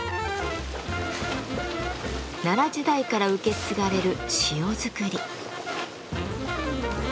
奈良時代から受け継がれる塩作り。